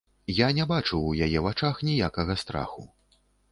Я не бачыў у яе вачах ніякага страху.